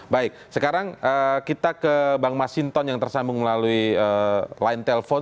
baik sekarang kita ke bang masinton yang tersambung melalui line telpon